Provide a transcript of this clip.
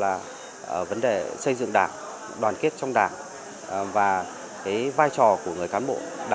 mà việt nam đã đạt được trong chặng đường năm mươi năm qua